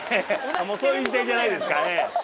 もうそういう時代じゃないですか。